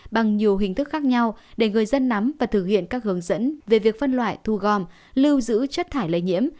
bằng nhiều hình thức khác nhau để người dân nắm và thực hiện các hướng dẫn về việc phân loại thu gom lưu giữ chất thải lây nhiễm